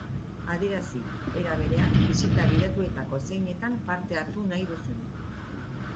Adierazi, era berean, bisita gidatuetako zeinetan parte hartu nahi duzun.